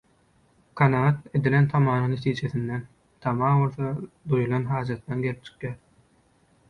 Kanagat, edilen tamanyň netijesinden, tama bolsa duýulan hajatdan gelip çykýar.